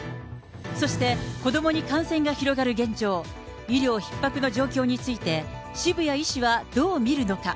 そして、子どもに感染が広がる現状、医療ひっ迫の状況について、渋谷医師はどう見るのか。